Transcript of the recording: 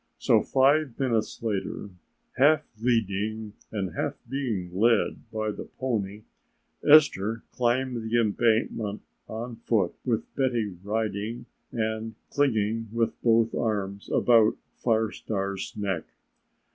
So five minutes later, half leading and half being led by the pony, Esther climbed the embankment on foot with Betty riding and clinging with both arms about Fire Star's neck.